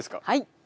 はい。